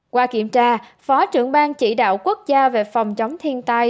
qua kiểm tra phó trưởng ban chỉ đạo quốc gia về phòng chống thiên tai